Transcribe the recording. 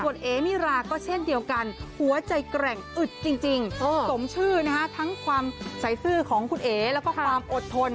ส่วนเอมิราก็เช่นเดียวกันหัวใจแกร่งอึดจริงสมชื่อนะฮะทั้งความใส่ซื่อของคุณเอ๋แล้วก็ความอดทน